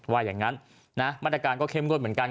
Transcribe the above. ว่าอย่างนั้นนะมาตรการก็เข้มงวดเหมือนกัน